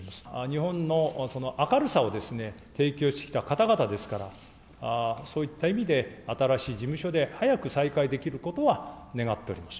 日本の明るさを提供してきた方々ですから、そういった意味で、新しい事務所で早く再会できることは願っております。